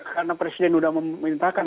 karena presiden sudah memintakan